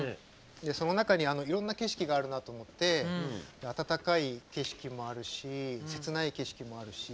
その中に、いろんな景色があるなって思ってあたたかい景色もあるし切ない景色もあるし